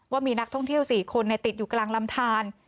ว่ามีนักท่องเที่ยว๔คนติดอยู่กลางลำทาน